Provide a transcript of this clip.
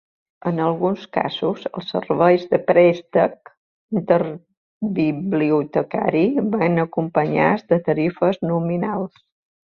En alguns casos, els serveis de préstec interbibliotecari van acompanyats de tarifes nominals.